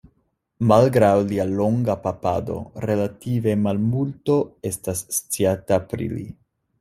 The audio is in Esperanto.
Malgraŭ lia longa papado relative malmulto estas sciata pri li.